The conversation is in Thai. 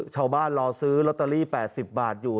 รอซื้อลอตเตอรี่๘๐บาทอยู่